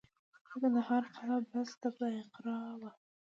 د کندهار قلعه بست د بایقرا وه